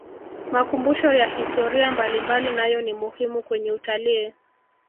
makumbusho ya historia mbalimbali nayo ni muhimu kwenye utalii